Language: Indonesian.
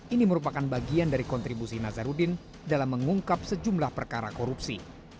ini merupakan bagian dari kontribusi nazarudin dalam mengungkap sejumlah perkara korupsi